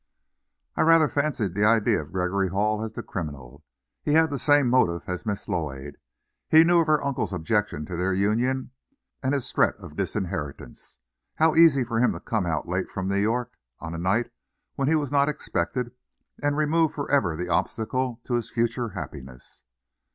I rather fancied the idea of Gregory Hall as the criminal. He had the same motive as Miss Lloyd. He knew of her uncle's objection to their union, and his threat of disinheritance. How easy for him to come out late from New York, on a night when he was not expected, and remove forever the obstacle to his future happiness!